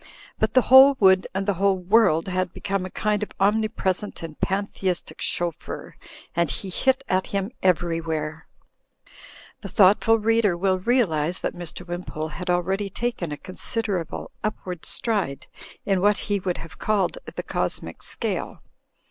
But the whole wood and the whole world had become a kind of omnipresent and panthe istic chauffeur, and he hit at him everywhere. The thoughtful reader will realise that Mr. Wim pole had already taken a considerable upward stride in what he would have called the cosmic scale.